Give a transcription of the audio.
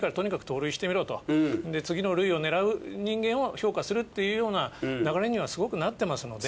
次の塁を狙う人間を評価するっていうような流れにはすごくなってますので。